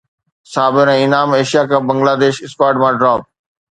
Sabir ۽ Inam Asia cup Bangladesh squad مان drop